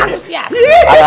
ustadz ajak saya ulan